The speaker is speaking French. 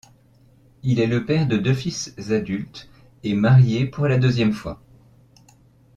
Il est le père de deux fils adultes et marié pour la deuxième fois.